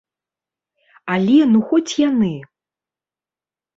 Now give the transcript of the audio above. Але ну хоць яны!